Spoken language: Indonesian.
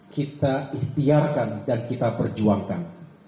kita ikhtiarkan dan kita perjuangkan